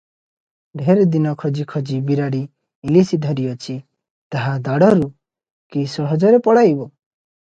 ଢେର ଦିନ ଖୋଜି ଖୋଜି ବିରାଡ଼ି ଇଲିଶି ଧରିଅଛି, ତାହା ଦାଢ଼ରୁ କି ସହଜରେ ପଳାଇବ?